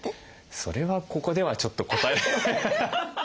それはここではちょっと答えられない。